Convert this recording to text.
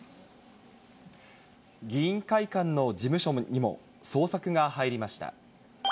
議員会館の事務所にも捜索が入りました。